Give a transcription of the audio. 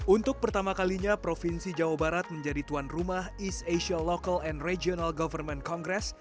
untuk pertama kalinya provinsi jawa barat menjadi tuan rumah east asia local and regional government congress